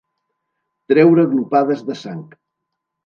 Treure glopades de sang.